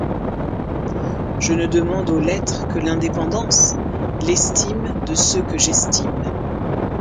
Je ne demande aux Lettres que l'indépendance, l'estime de ceux que j'estime.